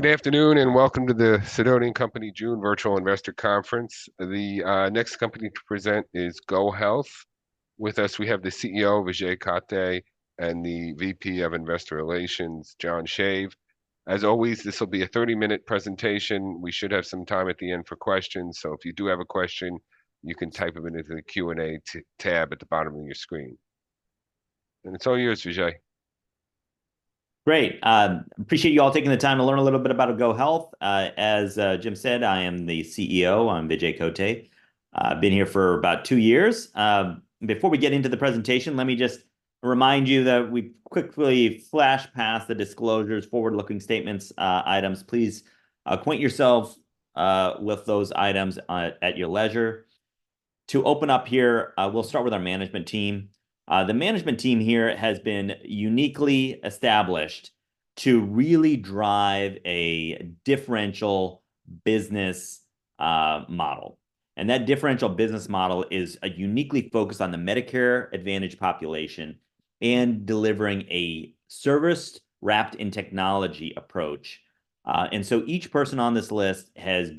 Good afternoon and welcome to the Sidoti & Company June Virtual Investor Conference. The next company to present is GoHealth. With us, we have the CEO, Vijay Kotte, and the VP of Investor Relations, John Shave. As always, this will be a 30-minute presentation. We should have some time at the end for questions, so if you do have a question, you can type them into the Q&A tab at the bottom of your screen. It's all yours, Vijay. Great. Appreciate you all taking the time to learn a little bit about GoHealth. As Jim said, I am the CEO, I'm Vijay Kotte. I've been here for about 2 years. Before we get into the presentation, let me just remind you that we quickly flash past the disclosures, forward-looking statements, items. Please acquaint yourselves with those items at your leisure. To open up here, we'll start with our management team. The management team here has been uniquely established to really drive a differential business model. And that differential business model is uniquely focused on the Medicare Advantage population and delivering a service wrapped in technology approach. And so each person on this list has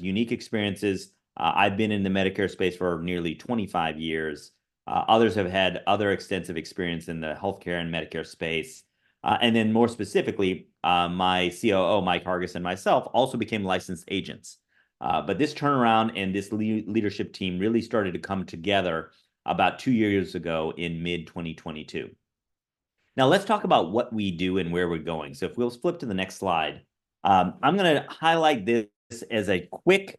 unique experiences. I've been in the Medicare space for nearly 25 years. Others have had other extensive experience in the healthcare and Medicare space. And then more specifically, my COO, Mike Hargis, and myself also became licensed agents. But this turnaround and this leadership team really started to come together about two years ago in mid-2022. Now, let's talk about what we do and where we're going. So if we'll flip to the next slide, I'm going to highlight this as a quick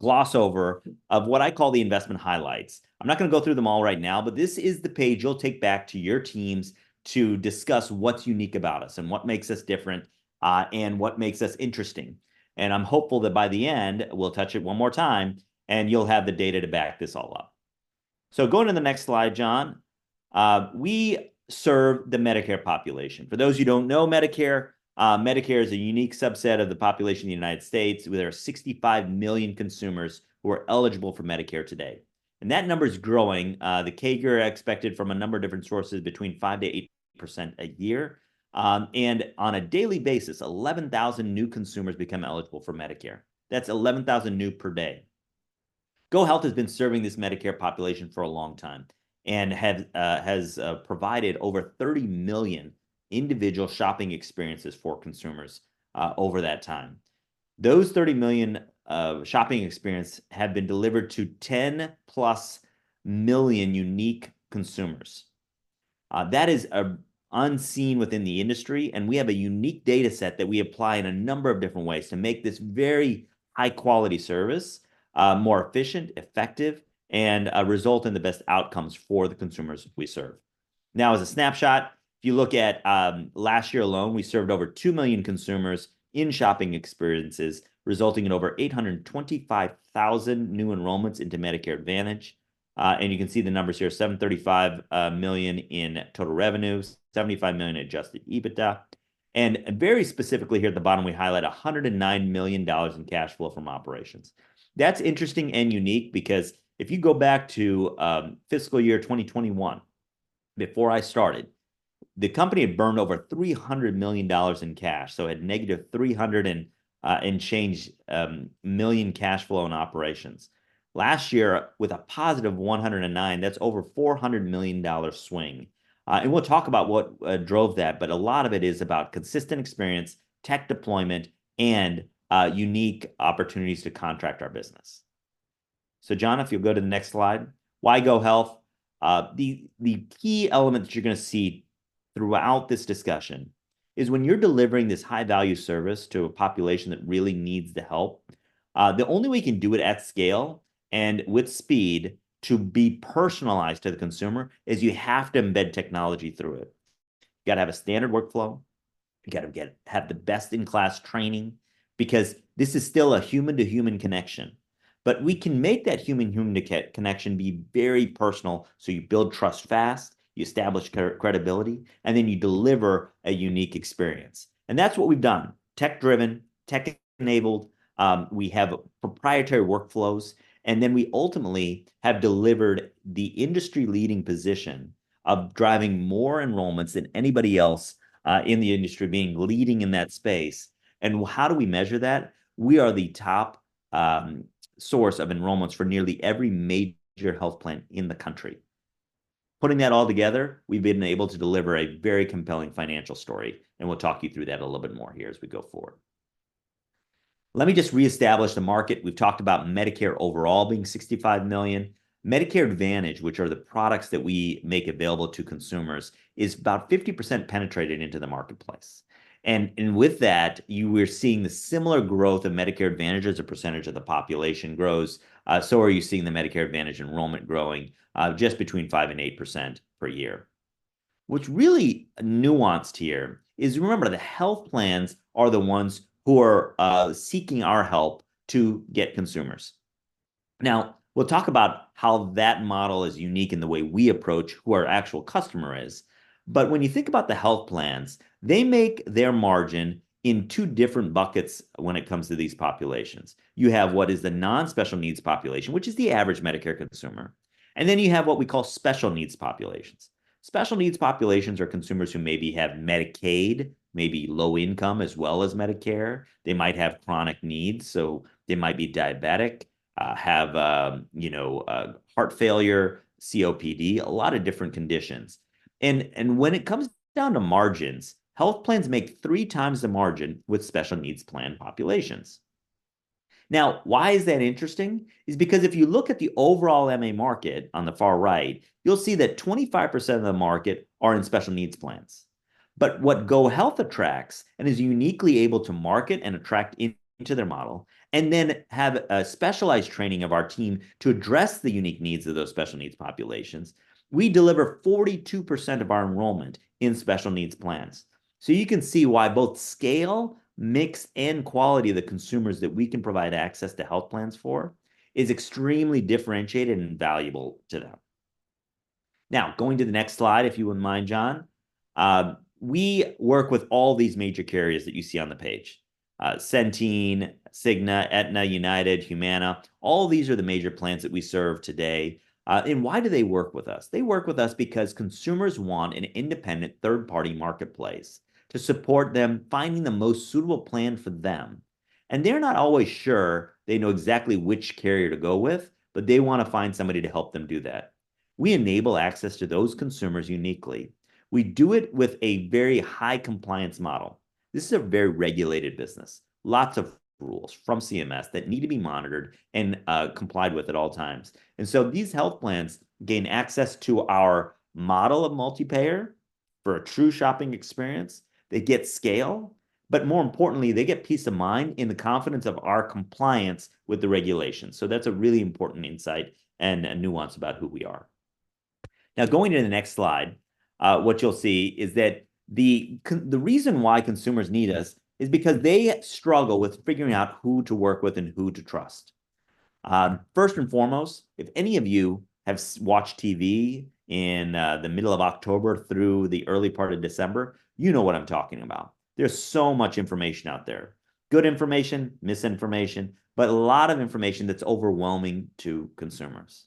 gloss over of what I call the investment highlights. I'm not going to go through them all right now, but this is the page you'll take back to your teams to discuss what's unique about us and what makes us different and what makes us interesting. And I'm hopeful that by the end, we'll touch it one more time and you'll have the data to back this all up. So going to the next slide, John, we serve the Medicare population. For those who don't know Medicare, Medicare is a unique subset of the population in the United States. There are 65 million consumers who are eligible for Medicare today. That number is growing. The CAGR expected from a number of different sources is between 5%-8% a year. On a daily basis, 11,000 new consumers become eligible for Medicare. That's 11,000 new per day. GoHealth has been serving this Medicare population for a long time and has provided over 30 million individual shopping experiences for consumers over that time. Those 30 million shopping experiences have been delivered to 10+ million unique consumers. That is unseen within the industry, and we have a unique data set that we apply in a number of different ways to make this very high-quality service more efficient, effective, and result in the best outcomes for the consumers we serve. Now, as a snapshot, if you look at last year alone, we served over 2 million consumers in shopping experiences, resulting in over 825,000 new enrollments into Medicare Advantage. And you can see the numbers here: $735 million in total revenues, $75 million adjusted EBITDA. And very specifically here at the bottom, we highlight $109 million in cash flow from operations. That's interesting and unique because if you go back to fiscal year 2021, before I started, the company had burned over $300 million in cash, so it had negative $300 million and change cash flow from operations. Last year, with a positive $109 million, that's over $400 million swing. And we'll talk about what drove that, but a lot of it is about consistent experience, tech deployment, and unique opportunities to contract our business. So John, if you'll go to the next slide, why GoHealth? The key element that you're going to see throughout this discussion is when you're delivering this high-value service to a population that really needs the help, the only way you can do it at scale and with speed to be personalized to the consumer is you have to embed technology through it. You got to have a standard workflow. You got to have the best-in-class training because this is still a human-to-human connection. But we can make that human-human connection be very personal. So you build trust fast, you establish credibility, and then you deliver a unique experience. And that's what we've done. Tech-driven, tech-enabled. We have proprietary workflows, and then we ultimately have delivered the industry-leading position of driving more enrollments than anybody else in the industry being leading in that space. And how do we measure that? We are the top source of enrollments for nearly every major health plan in the country. Putting that all together, we've been able to deliver a very compelling financial story, and we'll talk you through that a little bit more here as we go forward. Let me just reestablish the market. We've talked about Medicare overall being 65 million. Medicare Advantage, which are the products that we make available to consumers, is about 50% penetrated into the marketplace. And with that, you are seeing the similar growth of Medicare Advantage as a percentage of the population grows. So are you seeing the Medicare Advantage enrollment growing just between 5% and 8% per year? What's really nuanced here is, remember, the health plans are the ones who are seeking our help to get consumers. Now, we'll talk about how that model is unique in the way we approach who our actual customer is. But when you think about the health plans, they make their margin in two different buckets when it comes to these populations. You have what is the non-special needs population, which is the average Medicare consumer. And then you have what we call special needs populations. Special needs populations are consumers who maybe have Medicaid, maybe low income as well as Medicare. They might have chronic needs, so they might be diabetic, have heart failure, COPD, a lot of different conditions. And when it comes down to margins, health plans make three times the margin with special needs plan populations. Now, why is that interesting? It's because if you look at the overall MA market on the far right, you'll see that 25% of the market are in Special Needs Plans But what GoHealth attracts and is uniquely able to market and attract into their model, and then have a specialized training of our team to address the unique needs of those special needs populations, we deliver 42% of our enrollment in Special Needs Plans. So you can see why both scale, mix, and quality of the consumers that we can provide access to health plans for is extremely differentiated and valuable to them. Now, going to the next slide, if you wouldn't mind, John, we work with all these major carriers that you see on the page: Centene, Cigna, Aetna, United, Humana. All of these are the major plans that we serve today. And why do they work with us? They work with us because consumers want an independent third-party marketplace to support them finding the most suitable plan for them. They're not always sure they know exactly which carrier to go with, but they want to find somebody to help them do that. We enable access to those consumers uniquely. We do it with a very high compliance model. This is a very regulated business, lots of rules from CMS that need to be monitored and complied with at all times. So these health plans gain access to our model of multi-payer for a true shopping experience. They get scale, but more importantly, they get peace of mind in the confidence of our compliance with the regulations. That's a really important insight and a nuance about who we are. Now, going to the next slide, what you'll see is that the reason why consumers need us is because they struggle with figuring out who to work with and who to trust. First and foremost, if any of you have watched TV in the middle of October through the early part of December, you know what I'm talking about. There's so much information out there. Good information, misinformation, but a lot of information that's overwhelming to consumers.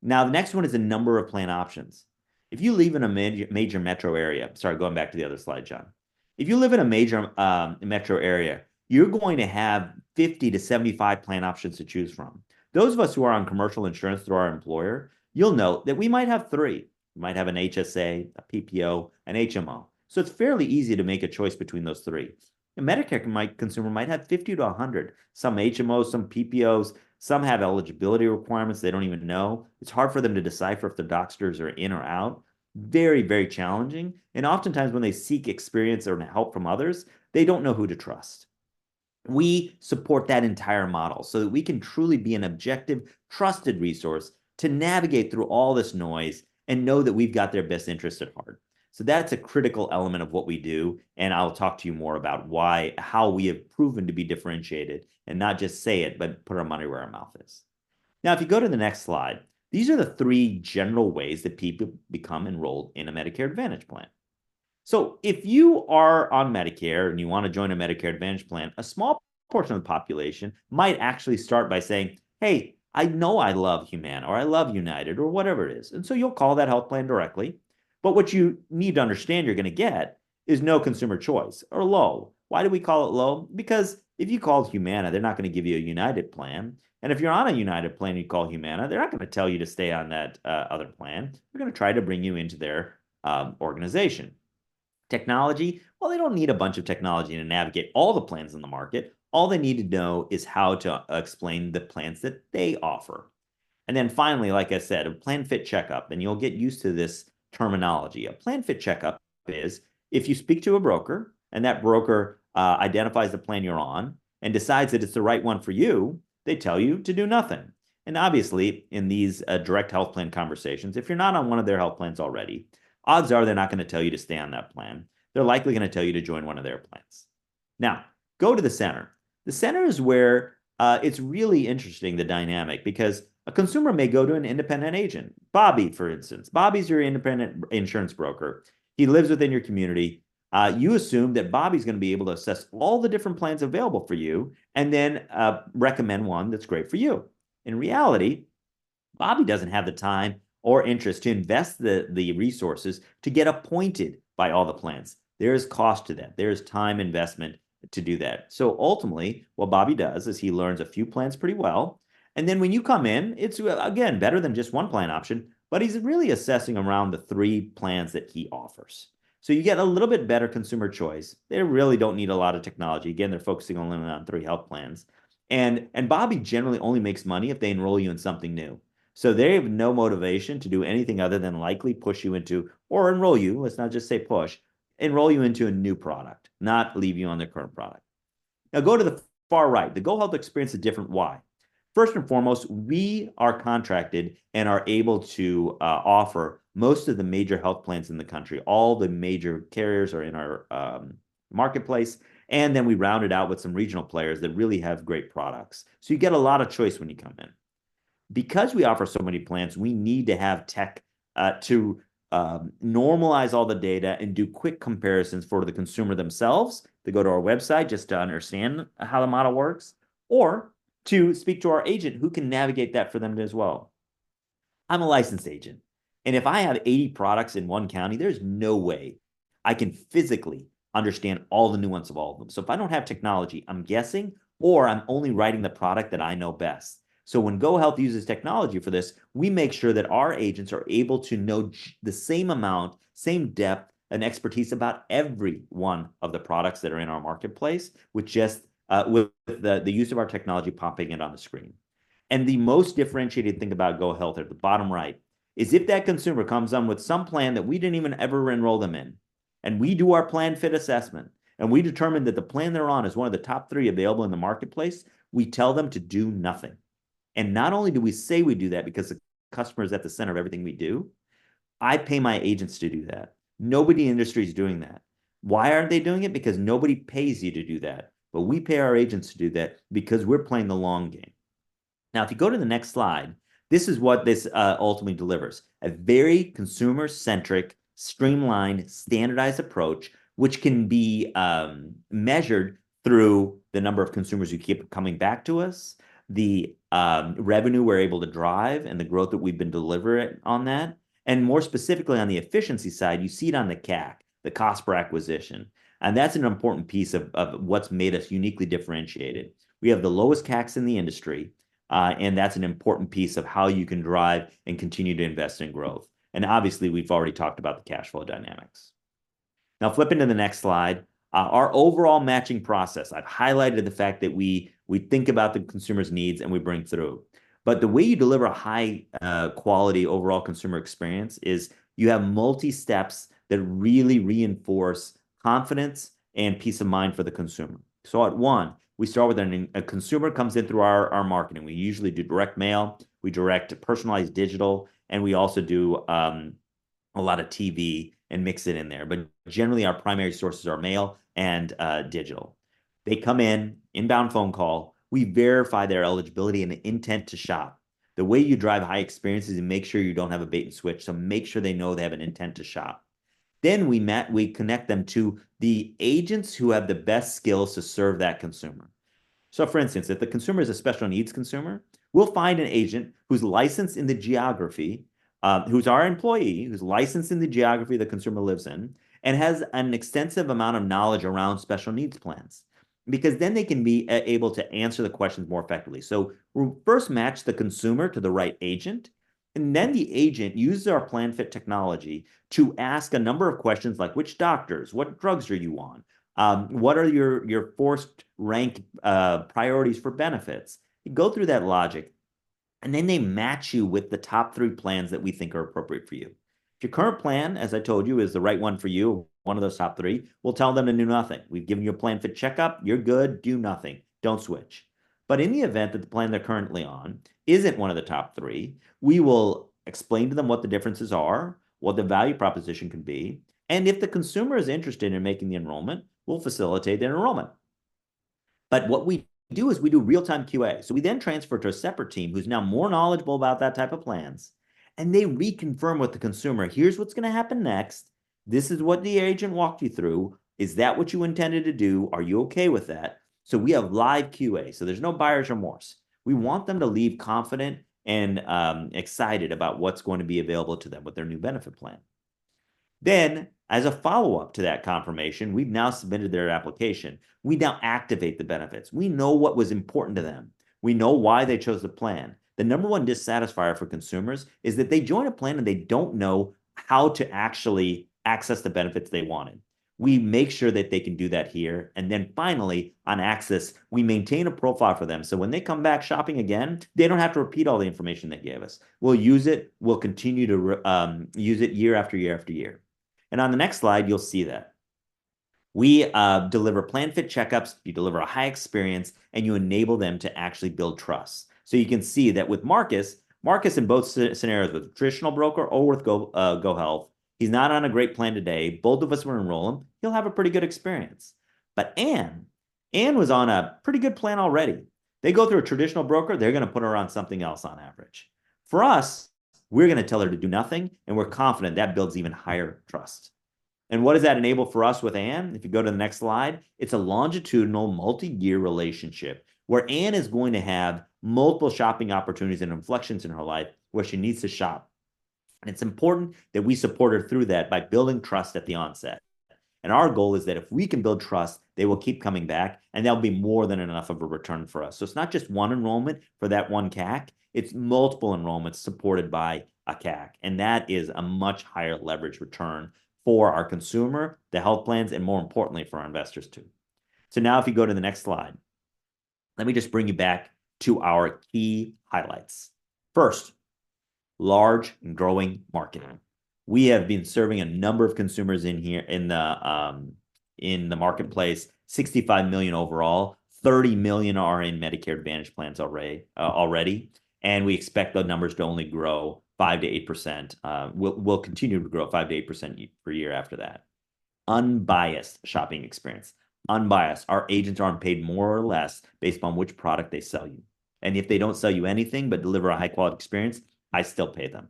Now, the next one is the number of plan options. If you live in a major metro area, sorry, going back to the other slide, John, if you live in a major metro area, you're going to have 50-75 plan options to choose from. Those of us who are on commercial insurance through our employer, you'll note that we might have three. We might have an HSA, a PPO, an HMO. So it's fairly easy to make a choice between those three. A Medicare consumer might have 50-100. Some HMOs, some PPOs, some have eligibility requirements they don't even know. It's hard for them to decipher if the doctors are in or out. Very, very challenging. Oftentimes when they seek experience or help from others, they don't know who to trust. We support that entire model so that we can truly be an objective, trusted resource to navigate through all this noise and know that we've got their best interest at heart. That's a critical element of what we do. I'll talk to you more about how we have proven to be differentiated and not just say it, but put our money where our mouth is. Now, if you go to the next slide, these are the three general ways that people become enrolled in a Medicare Advantage plan. So if you are on Medicare and you want to join a Medicare Advantage plan, a small portion of the population might actually start by saying, "Hey, I know I love Humana or I love United or whatever it is." And so you'll call that health plan directly. But what you need to understand you're going to get is no consumer choice or low. Why do we call it low? Because if you call Humana, they're not going to give you a United plan. And if you're on a United plan and you call Humana, they're not going to tell you to stay on that other plan. They're going to try to bring you into their organization. Technology? Well, they don't need a bunch of technology to navigate all the plans in the market. All they need to know is how to explain the plans that they offer. And then finally, like I said, a PlanFit CheckUp, and you'll get used to this terminology. A PlanFit CheckUp is if you speak to a broker and that broker identifies the plan you're on and decides that it's the right one for you, they tell you to do nothing. And obviously, in these direct health plan conversations, if you're not on one of their health plans already, odds are they're not going to tell you to stay on that plan. They're likely going to tell you to join one of their plans. Now, go to the center. The center is where it's really interesting, the dynamic, because a consumer may go to an independent agent. Bobby, for instance. Bobby's your independent insurance broker. He lives within your community. You assume that Bobby's going to be able to assess all the different plans available for you and then recommend one that's great for you. In reality, Bobby doesn't have the time or interest to invest the resources to get appointed by all the plans. There is cost to that. There is time investment to do that. So ultimately, what Bobby does is he learns a few plans pretty well. And then when you come in, it's again better than just one plan option, but he's really assessing around the three plans that he offers. So you get a little bit better consumer choice. They really don't need a lot of technology. Again, they're focusing only on three health plans. And Bobby generally only makes money if they enroll you in something new. So they have no motivation to do anything other than likely push you into or enroll you. Let's not just say push enroll you into a new product, not leave you on the current product. Now, go to the far right. The GoHealth experience is different. Why? First and foremost, we are contracted and are able to offer most of the major health plans in the country. All the major carriers are in our marketplace. And then we round it out with some regional players that really have great products. So you get a lot of choice when you come in. Because we offer so many plans, we need to have tech to normalize all the data and do quick comparisons for the consumer themselves to go to our website just to understand how the model works or to speak to our agent who can navigate that for them as well. I'm a licensed agent. If I have 80 products in one county, there's no way I can physically understand all the nuance of all of them. So if I don't have technology, I'm guessing or I'm only writing the product that I know best. So when GoHealth uses technology for this, we make sure that our agents are able to know the same amount, same depth, and expertise about every one of the products that are in our marketplace with the use of our technology popping it on the screen. And the most differentiated thing about GoHealth at the bottom right is if that consumer comes on with some plan that we didn't even ever enroll them in, and we do our plan fit assessment, and we determine that the plan they're on is one of the top three available in the marketplace, we tell them to do nothing. Not only do we say we do that because the customer is at the center of everything we do, I pay my agents to do that. Nobody in the industry is doing that. Why aren't they doing it? Because nobody pays you to do that. We pay our agents to do that because we're playing the long game. Now, if you go to the next slide, this is what this ultimately delivers: a very consumer-centric, streamlined, standardized approach, which can be measured through the number of consumers who keep coming back to us, the revenue we're able to drive, and the growth that we've been delivering on that. More specifically on the efficiency side, you see it on the CAC, the cost per acquisition. And that's an important piece of what's made us uniquely differentiated. We have the lowest CACs in the industry, and that's an important piece of how you can drive and continue to invest in growth. Obviously, we've already talked about the cash flow dynamics. Now, flipping to the next slide, our overall matching process, I've highlighted the fact that we think about the consumer's needs and we bring through. But the way you deliver a high-quality overall consumer experience is you have multi-steps that really reinforce confidence and peace of mind for the consumer. So at one, we start with a consumer comes in through our marketing. We usually do direct mail. We direct to personalized digital, and we also do a lot of TV and mix it in there. But generally, our primary sources are mail and digital. They come in, inbound phone call. We verify their eligibility and intent to shop. The way you drive high experiences is to make sure you don't have a bait and switch. So make sure they know they have an intent to shop. Then we connect them to the agents who have the best skills to serve that consumer. So for instance, if the consumer is a special needs consumer, we'll find an agent who's licensed in the geography, who's our employee, who's licensed in the geography the consumer lives in, and has an extensive amount of knowledge around Special Needs Plans. Because then they can be able to answer the questions more effectively. So we'll first match the consumer to the right agent, and then the agent uses our PlanFit technology to ask a number of questions like, "Which doctors? What drugs are you on? What are your forced rank priorities for benefits?" Go through that logic, and then they match you with the top three plans that we think are appropriate for you. If your current plan, as I told you, is the right one for you, one of those top three, we'll tell them to do nothing. We've given you a PlanFit CheckUp. You're good. Do nothing. Don't switch. But in the event that the plan they're currently on isn't one of the top three, we will explain to them what the differences are, what the value proposition can be. And if the consumer is interested in making the enrollment, we'll facilitate their enrollment. But what we do is we do real-time QA. So we then transfer to a separate team who's now more knowledgeable about that type of plans, and they reconfirm with the consumer, "Here's what's going to happen next. This is what the agent walked you through. Is that what you intended to do? Are you okay with that?" So we have live QA. So there's no buyer's remorse. We want them to leave confident and excited about what's going to be available to them with their new benefit plan. Then, as a follow-up to that confirmation, we've now submitted their application. We now activate the benefits. We know what was important to them. We know why they chose the plan. The number one dissatisfier for consumers is that they join a plan and they don't know how to actually access the benefits they wanted. We make sure that they can do that here. And then finally, on access, we maintain a profile for them. So when they come back shopping again, they don't have to repeat all the information they gave us. We'll use it. We'll continue to use it year after year after year. On the next slide, you'll see that. We deliver PlanFit CheckUps. You deliver a high experience, and you enable them to actually build trust. You can see that with Marcus, Marcus in both scenarios with a traditional broker or with GoHealth, he's not on a great plan today. Both of us will enroll him. He'll have a pretty good experience. Anne was on a pretty good plan already. They go through a traditional broker. They're going to put her on something else on average. For us, we're going to tell her to do nothing, and we're confident that builds even higher trust. What does that enable for us with Anne? If you go to the next slide, it's a longitudinal multi-year relationship where Anne is going to have multiple shopping opportunities and inflections in her life where she needs to shop. And it's important that we support her through that by building trust at the onset. And our goal is that if we can build trust, they will keep coming back, and there'll be more than enough of a return for us. So it's not just one enrollment for that one CAC. It's multiple enrollments supported by a CAC. And that is a much higher leverage return for our consumer, the health plans, and more importantly, for our investors too. So now, if you go to the next slide, let me just bring you back to our key highlights. First, large and growing marketing. We have been serving a number of consumers in the marketplace. 65 million overall. 30 million are in Medicare Advantage plans already. We expect those numbers to only grow 5%-8%. We'll continue to grow 5%-8% per year after that. Unbiased shopping experience. Unbiased. Our agents aren't paid more or less based on which product they sell you. If they don't sell you anything but deliver a high-quality experience, I still pay them.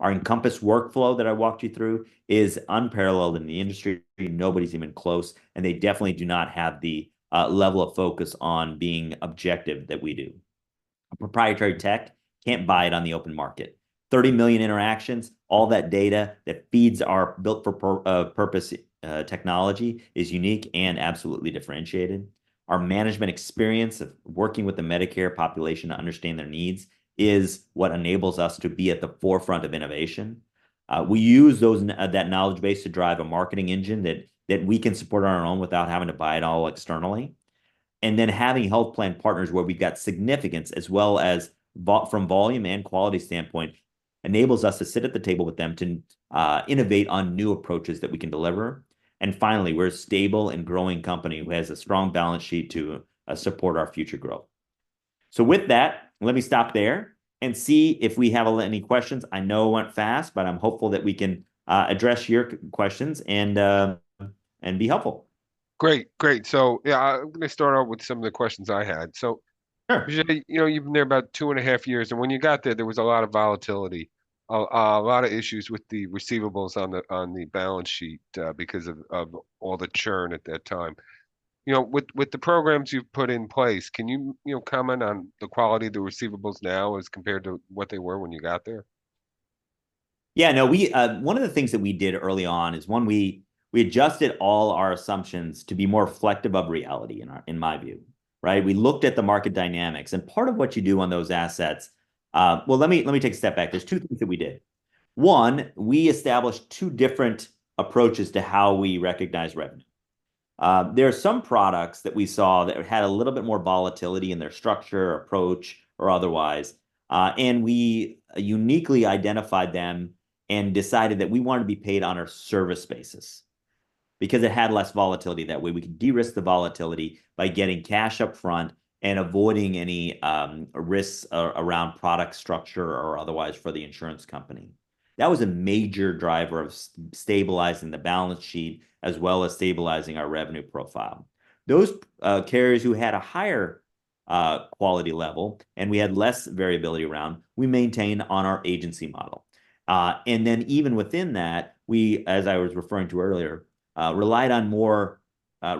Our Encompass workflow that I walked you through is unparalleled in the industry. Nobody's even close. They definitely do not have the level of focus on being objective that we do. Proprietary tech can't buy it on the open market. 30 million interactions. All that data that feeds our built-for-purpose technology is unique and absolutely differentiated. Our management experience of working with the Medicare population to understand their needs is what enables us to be at the forefront of innovation. We use that knowledge base to drive a marketing engine that we can support on our own without having to buy it all externally. And then having health plan partners where we've got significance as well as from volume and quality standpoint enables us to sit at the table with them to innovate on new approaches that we can deliver. And finally, we're a stable and growing company who has a strong balance sheet to support our future growth. So with that, let me stop there and see if we have any questions. I know it went fast, but I'm hopeful that we can address your questions and be helpful. Great. Great. So yeah, I'm going to start out with some of the questions I had. So you've been there about 2.5 years. And when you got there, there was a lot of volatility, a lot of issues with the receivables on the balance sheet because of all the churn at that time. With the programs you've put in place, can you comment on the quality of the receivables now as compared to what they were when you got there? Yeah. No, one of the things that we did early on is, one, we adjusted all our assumptions to be more flexible of reality, in my view. We looked at the market dynamics. And part of what you do on those assets, well, let me take a step back. There's two things that we did. One, we established two different approaches to how we recognize revenue. There are some products that we saw that had a little bit more volatility in their structure, approach, or otherwise. We uniquely identified them and decided that we wanted to be paid on a service basis because it had less volatility. That way, we could de-risk the volatility by getting cash upfront and avoiding any risks around product structure or otherwise for the insurance company. That was a major driver of stabilizing the balance sheet as well as stabilizing our revenue profile. Those carriers who had a higher quality level and we had less variability around, we maintained on our agency model. And then even within that, we, as I was referring to earlier, relied on more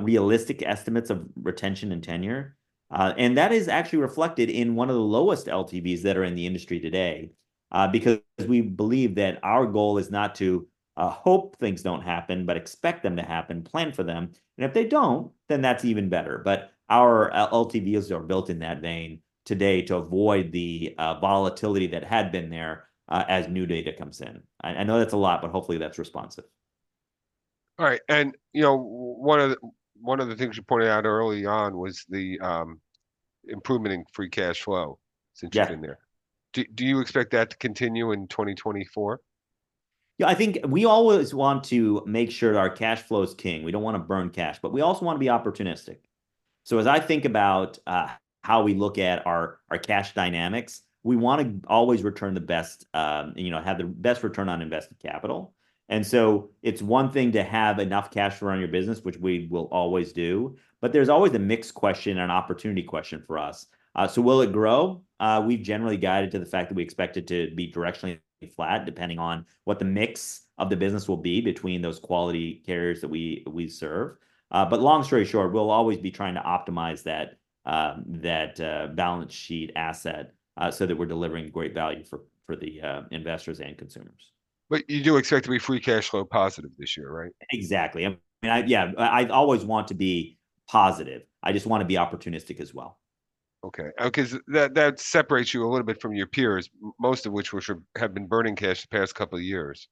realistic estimates of retention and tenure. And that is actually reflected in one of the lowest LTVs that are in the industry today because we believe that our goal is not to hope things don't happen, but expect them to happen, plan for them. And if they don't, then that's even better. But our LTVs are built in that vein today to avoid the volatility that had been there as new data comes in. I know that's a lot, but hopefully, that's responsive. All right. And one of the things you pointed out early on was the improvement in free cash flow since you've been there. Do you expect that to continue in 2024? Yeah. I think we always want to make sure our cash flow is king. We don't want to burn cash, but we also want to be opportunistic. So as I think about how we look at our cash dynamics, we want to always return the best, have the best return on invested capital. And so it's one thing to have enough cash around your business, which we will always do, but there's always a mixed question and an opportunity question for us. So will it grow? We've generally guided to the fact that we expect it to be directionally flat depending on what the mix of the business will be between those quality carriers that we serve. But long story short, we'll always be trying to optimize that balance sheet asset so that we're delivering great value for the investors and consumers. But you do expect to be free cash flow positive this year, right? Exactly. Yeah. I always want to be positive. I just want to be opportunistic as well. Okay. Because that separates you a little bit from your peers, most of which have been burning cash the past couple of years.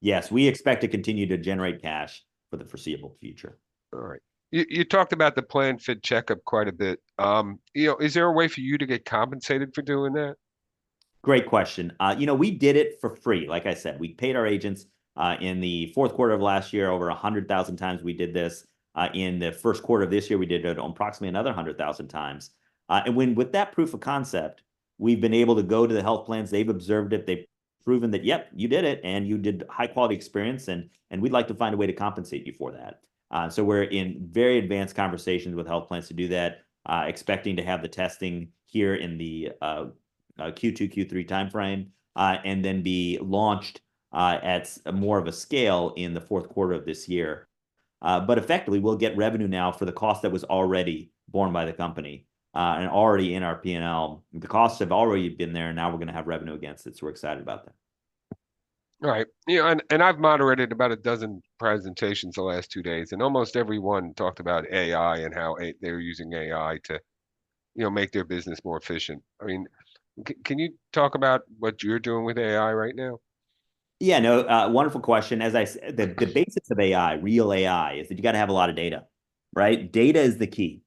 Yes. We expect to continue to generate cash for the foreseeable future. All right. You talked about the PlanFit CheckUp quite a bit. Is there a way for you to get compensated for doing that? Great question. We did it for free. Like I said, we paid our agents in the fourth quarter of last year over 100,000 times. We did this. In the first quarter of this year, we did it approximately another 100,000 times. And with that proof of concept, we've been able to go to the health plans. They've observed it. They've proven that, yep, you did it, and you did high-quality experience, and we'd like to find a way to compensate you for that. So we're in very advanced conversations with health plans to do that, expecting to have the testing here in the Q2, Q3 timeframe, and then be launched at more of a scale in the fourth quarter of this year. But effectively, we'll get revenue now for the cost that was already borne by the company and already in our P&L. The costs have already been there, and now we're going to have revenue against it. We're excited about that. All right. I've moderated about a dozen presentations the last two days, and almost everyone talked about AI and how they're using AI to make their business more efficient. I mean, can you talk about what you're doing with AI right now? Yeah. No, wonderful question. As I said, the basics of AI, real AI, is that you got to have a lot of data, right? Data is the key.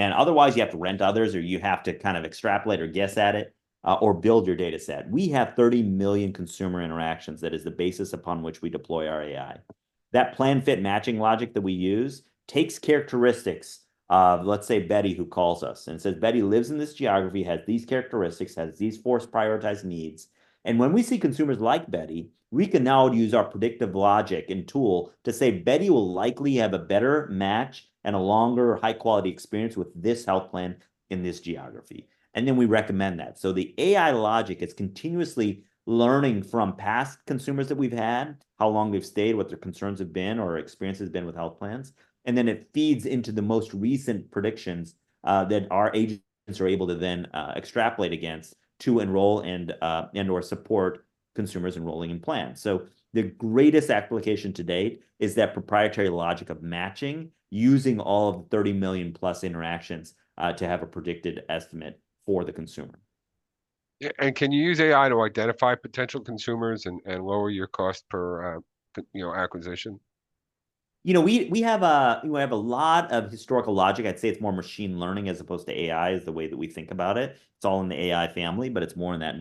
Otherwise, you have to rent others or you have to kind of extrapolate or guess at it or build your data set. We have 30 million consumer interactions that is the basis upon which we deploy our AI. That plan fit matching logic that we use takes characteristics of, let's say, Betty who calls us and says, "Betty lives in this geography, has these characteristics, has these forced prioritized needs." And when we see consumers like Betty, we can now use our predictive logic and tool to say, "Betty will likely have a better match and a longer high-quality experience with this health plan in this geography." And then we recommend that. So the AI logic is continuously learning from past consumers that we've had, how long they've stayed, what their concerns have been or experiences have been with health plans. And then it feeds into the most recent predictions that our agents are able to then extrapolate against to enroll and/or support consumers enrolling in plans. So the greatest application to date is that proprietary logic of matching using all of the 30 million-plus interactions to have a predicted estimate for the consumer. And can you use AI to identify potential consumers and lower your cost per acquisition? We have a lot of historical logic. I'd say it's more machine learning as opposed to AI is the way that we think about it. It's all in the AI family, but it's more in that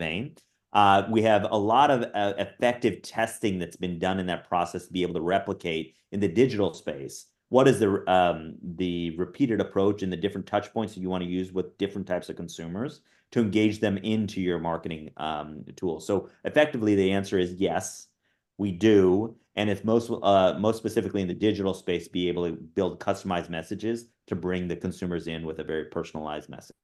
vein. We have a lot of effective testing that's been done in that process to be able to replicate in the digital space. What is the repeated approach and the different touchpoints that you want to use with different types of consumers to engage them into your marketing tool? So effectively, the answer is yes, we do. It's most specifically in the digital space, be able to build customized messages to bring the consumers in with a very personalized message.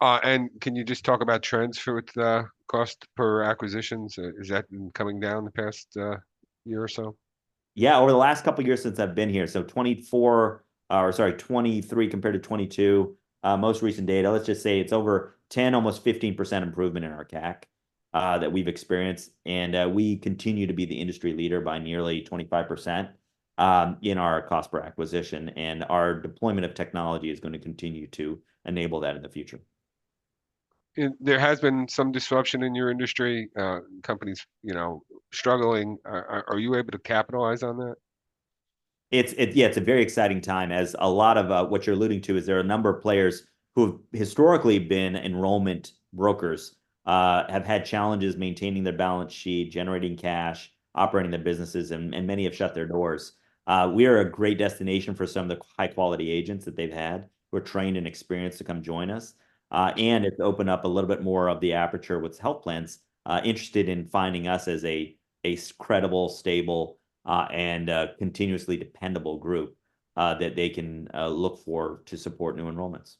Can you just talk about trends with the cost per acquisition? Is that coming down the past year or so? Yeah. Over the last couple of years since I've been here, so 2024 or sorry, 2023 compared to 2022, most recent data, let's just say it's over 10%, almost 15% improvement in our CAC that we've experienced. We continue to be the industry leader by nearly 25% in our cost per acquisition. Our deployment of technology is going to continue to enable that in the future. There has been some disruption in your industry, companies struggling. Are you able to capitalize on that? Yeah. It's a very exciting time, as a lot of what you're alluding to is there are a number of players who have historically been enrollment brokers, have had challenges maintaining their balance sheet, generating cash, operating their businesses, and many have shut their doors. We are a great destination for some of the high-quality agents that they've had who are trained and experienced to come join us. And it's opened up a little bit more of the aperture with health plans interested in finding us as a credible, stable, and continuously dependable group that they can look for to support new enrollments.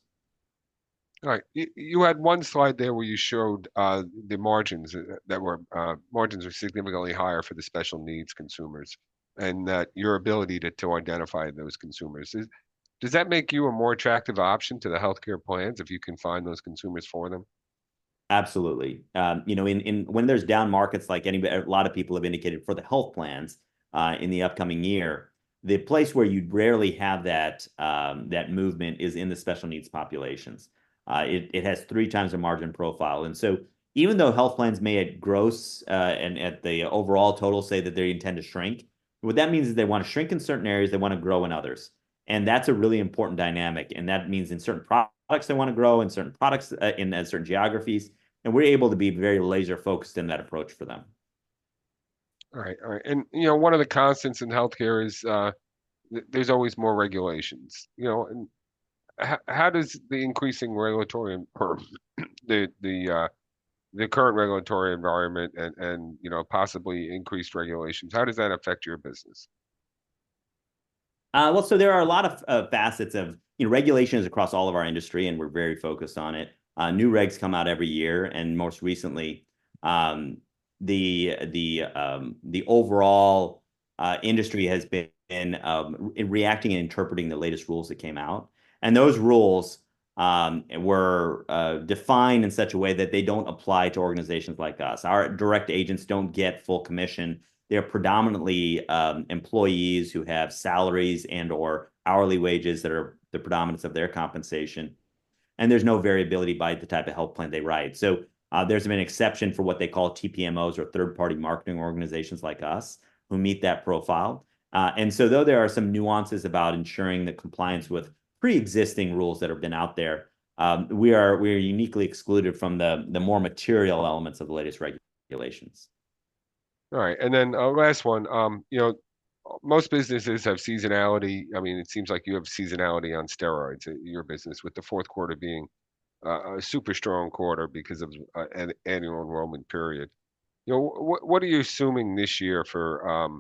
All right. You had one slide there where you showed the margins. Margins are significantly higher for the special needs consumers and your ability to identify those consumers. Does that make you a more attractive option to the healthcare plans if you can find those consumers for them? Absolutely. When there's down markets, like a lot of people have indicated for the health plans in the upcoming year, the place where you'd rarely have that movement is in the special needs populations. It has three times the margin profile. And so even though health plans may at gross and at the overall total say that they intend to shrink, what that means is they want to shrink in certain areas. They want to grow in others. And that's a really important dynamic. And that means in certain products they want to grow in certain products in certain geographies. And we're able to be very laser-focused in that approach for them. All right. All right. And one of the constants in healthcare is there's always more regulations. How does the increasing regulatory or the current regulatory environment and possibly increased regulations, how does that affect your business? Well, so there are a lot of facets of regulations across all of our industry, and we're very focused on it. New regs come out every year. Most recently, the overall industry has been reacting and interpreting the latest rules that came out. Those rules were defined in such a way that they don't apply to organizations like us. Our direct agents don't get full commission. They're predominantly employees who have salaries and/or hourly wages that are the predominance of their compensation. And there's no variability by the type of health plan they write. So there's been an exception for what they call TPMOs or third-party marketing organizations like us who meet that profile. And so though there are some nuances about ensuring the compliance with pre-existing rules that have been out there, we are uniquely excluded from the more material elements of the latest regulations. All right. And then last one, most businesses have seasonality. I mean, it seems like you have seasonality on steroids at your business with the fourth quarter being a super strong quarter because of an Annual Enrollment Period. What are you assuming this year for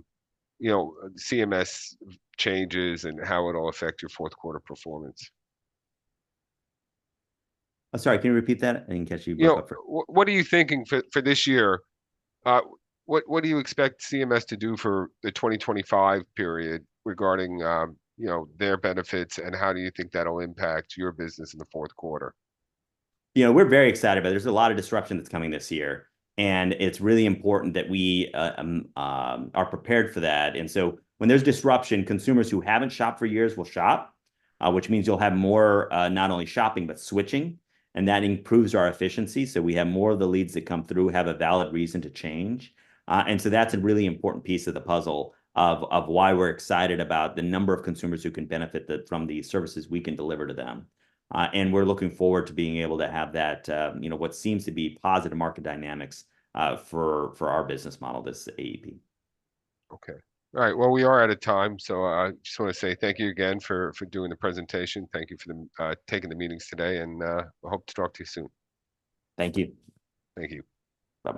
CMS changes and how it'll affect your fourth quarter performance? I'm sorry. Can you repeat that? I didn't catch you. What are you thinking for this year? What do you expect CMS to do for the 2025 period regarding their benefits? And how do you think that'll impact your business in the fourth quarter? We're very excited, but there's a lot of disruption that's coming this year. And it's really important that we are prepared for that. And so when there's disruption, consumers who haven't shopped for years will shop, which means you'll have more not only shopping, but switching. And that improves our efficiency. So we have more of the leads that come through have a valid reason to change. And so that's a really important piece of the puzzle of why we're excited about the number of consumers who can benefit from the services we can deliver to them. And we're looking forward to being able to have that what seems to be positive market dynamics for our business model this AEP. Okay. All right. Well, we are out of time. So I just want to say thank you again for doing the presentation. Thank you for taking the meetings today. And I hope to talk to you soon. Thank you. Thank you. Bye-bye.